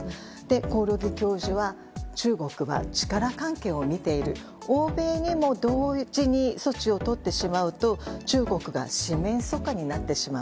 興梠教授は中国は力関係を見ている欧米にも同時に措置をとってしまうと中国が四面楚歌になってしまう。